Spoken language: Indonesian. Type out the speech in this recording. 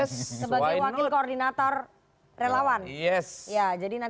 sebagai wakil koordinator relawan